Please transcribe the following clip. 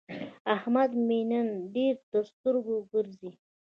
احمد مې نن ډېر تر سترګو ګرځي.